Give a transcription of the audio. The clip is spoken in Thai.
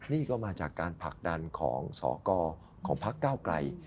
นี่ก็มาจากการผลักดันของสกของพักเก้าไกล